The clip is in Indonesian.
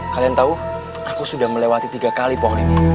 kalian tahu aku sudah melewati tiga kali pohon ini